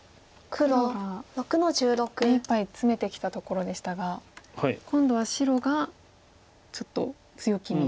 黒が目いっぱいツメてきたところでしたが今度は白がちょっと強気に。